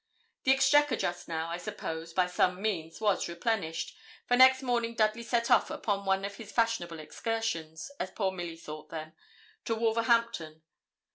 The exchequer just now, I suppose, by some means, was replenished, for next morning Dudley set off upon one of his fashionable excursions, as poor Milly thought them, to Wolverhampton.